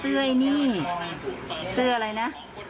อ๋อเสื้อไอ้นี่เสื้ออะไรนะ